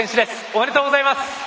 おめでとうございます。